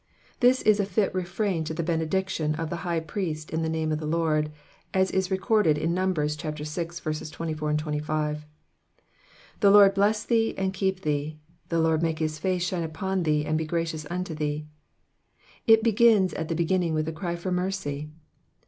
'*'' This is a fit refrain to the benediction of the High Priest in the Dame of the Lord, as recorded in Num. vi. 24, 25. The Lord bless thee, and keep thee : the Lord make his face shine upon thee, and be gracious unto thee." It begins at the beginning with a cry for mercy.